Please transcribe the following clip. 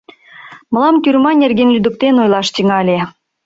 Мылам тюрьма нерген лӱдыктен ойлаш тӱҥале.